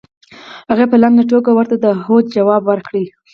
هغې په لنډه توګه ورته د هو ځواب ورکړ.